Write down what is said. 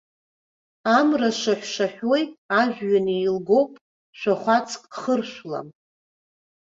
Амра шаҳәшаҳәуеит, ажәҩан еилгоуп, шәахәацк хыршәлам.